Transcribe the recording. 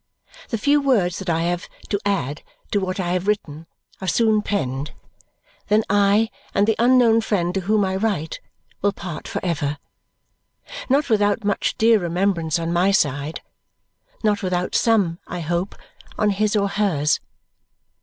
The few words that I have to add to what I have written are soon penned; then I and the unknown friend to whom I write will part for ever. Not without much dear remembrance on my side. Not without some, I hope, on his or hers.